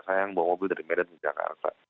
saya yang bawa mobil dari medan ke jakarta